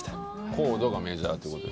コードがメジャーってこと？